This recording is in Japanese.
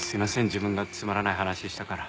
自分がつまらない話したから。